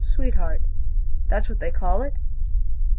Sweetheart that's what they call it.